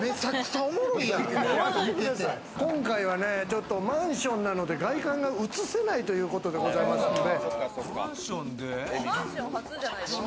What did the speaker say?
今回はね、マンションなので、外観が映せないということでございますので。